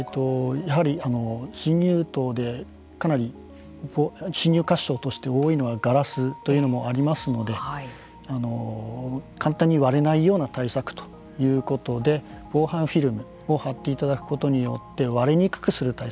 やはり、侵入盗でかなり侵入箇所として多いのはガラスというのもありますので簡単に割れないような対策ということで防犯フィルムを貼っていただくことによって割れにくくする対策。